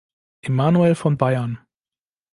Emanuel von Bayern.